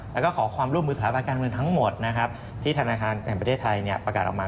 แล้วก็ขอความร่วมมือสถาบันการเมืองทั้งหมดนะครับที่ธนาคารแห่งประเทศไทยประกาศออกมา